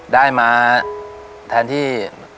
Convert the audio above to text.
ได้มาแทนที่